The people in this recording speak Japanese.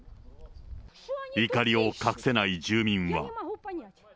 怒りを隠せない住民は。